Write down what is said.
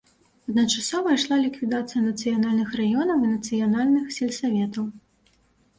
Адначасова ішла ліквідацыя нацыянальных раёнаў і нацыянальных сельсаветаў.